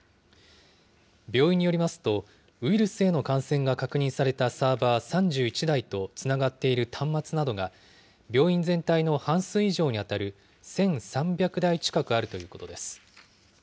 病院によりますと、ウイルスへの感染が確認されたサーバー３１台とつながっている端末などが、病院全体の半数以上に当たる１３００台近くあるということです。